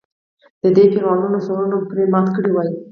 د دې فرعونانو سرونه مو پرې مات کړي وای.